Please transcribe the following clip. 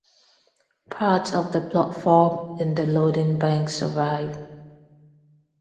Part of the platform and the loading bank survive.